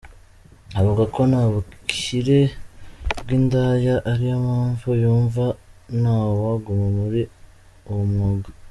Avuga ko nta bukire bw’indaya, ariyo mpamvu yumva nta waguma muri uwo mwuga.